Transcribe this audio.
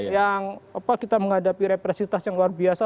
yang kita menghadapi represitas yang luar biasa